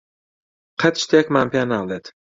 قەت شتێکمان پێ ناڵێت.